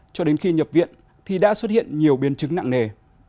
cho đến khi nhập viện thì đã xuất hiện nhiều biến chứng nặng nề